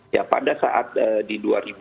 ya pada saat di dua ribu dua puluh